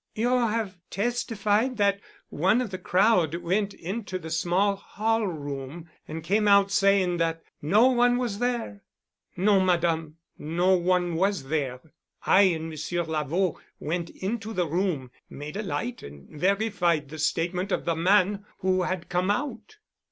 "You have testified that one of the crowd went into the small hall room and came out saying that no one was there." "Non, Madame. No one was there. I and Monsieur Lavaud went into the room, made a light and verified the statement of the man who had come out."